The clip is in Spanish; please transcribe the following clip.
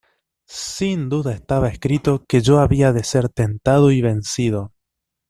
sin duda estaba escrito que yo había de ser tentado y vencido.